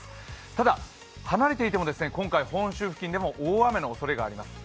ただ、離れていても今回、本州付近でも大雨のおそれがあります。